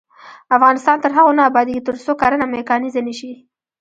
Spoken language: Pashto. افغانستان تر هغو نه ابادیږي، ترڅو کرنه میکانیزه نشي.